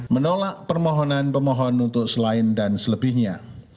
menolak permohonan pemohon untuk selain dan selebihnya